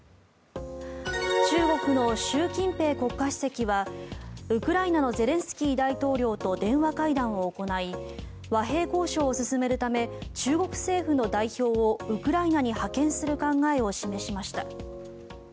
中国の習近平国家主席はウクライナのゼレンスキー大統領と電話会談を行い和平交渉を進めるため中国政府の代表をウクライナに派遣する考えを示しました。